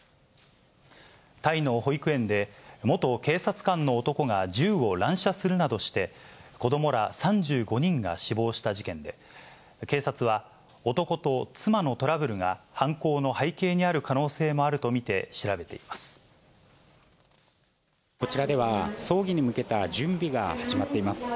タイの保育園で、元警察官の男が銃を乱射するなどして、子どもら３５人が死亡した事件で、警察は、男と妻のトラブルが犯行の背景にある可能性もあると見て、調べてこちらでは、葬儀に向けた準備が始まっています。